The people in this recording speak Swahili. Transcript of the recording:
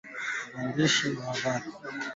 Viambaupishi vya kupikia pilau la viazi lishe